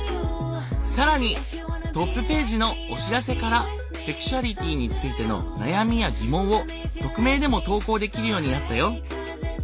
更にトップページのお知らせからセクシュアリティーについての悩みや疑問を匿名でも投稿できるようになったよ。